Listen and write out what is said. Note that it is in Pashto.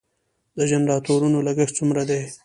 د جنراتورونو لګښت څومره دی؟